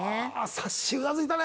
さっしーうなずいたね。